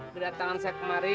kedatangan saya kemari